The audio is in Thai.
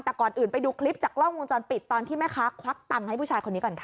แต่ก่อนอื่นไปดูคลิปจากกล้องวงจรปิดตอนที่แม่ค้าควักตังค์ให้ผู้ชายคนนี้ก่อนค่ะ